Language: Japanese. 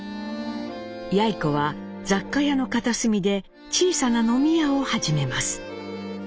やい子は雑貨屋の片隅で小さな飲み屋を始めます。